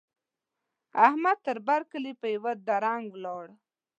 احمد؛ تر بر کلي په يوه دړدنګ ولاړ.